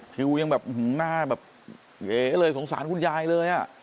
คิวยังแบบหน้าแบบเอ๋เลยสงสารคุณยายเลยอ่ะ